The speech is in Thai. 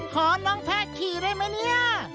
ขอน้องแพะขี่เลยไหมเนี่ย